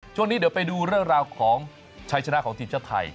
ช่วงนี้เดี๋ยวไปดูเรื่องราวของชัยชนะของทีมชาติไทย